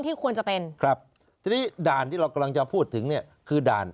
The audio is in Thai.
ควรจะเป็นครับทีนี้ด่านที่เรากำลังจะพูดถึงเนี่ยคือด่าน